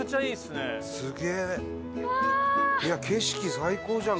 景色最高じゃん